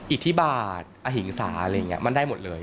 อิทธิบาทอหิงสามันได้หมดเลย